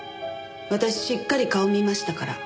私しっかり顔見ましたから。